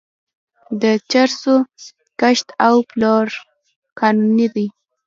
د چرسو کښت او پلور قانوني دی.